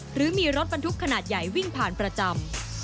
หรือมีรถบรรทุกขนาดใหญ่วิ่งผ่านประจำ